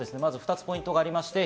２つポイントあります。